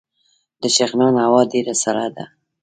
د شغنان هوا ډیره سړه ده